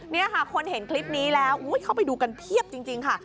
นี่ค่ะคนเห็นคลิปนี้แล้วเข้าไปดูกันเพียบจริงค่ะ